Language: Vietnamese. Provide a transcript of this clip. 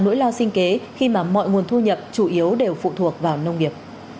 nỗi lo sinh kế khi mà mọi nguồn thu nhập chủ yếu đều phụ thuộc vào nông nghiệp